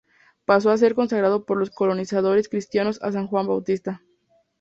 Paso a ser consagrado por los colonizadores cristianos a San Juan Bautista.